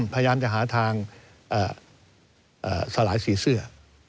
พยายามจะหาทางสลายสีเสื้อ